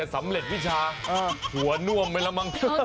สกิดยิ้ม